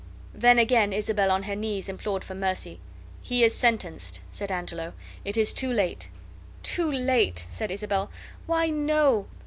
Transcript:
Then again Isabel on her knees implored for mercy. "He is sentenced," said Angelo. "It is too late." "Too late!" said Isabel. "Why, no!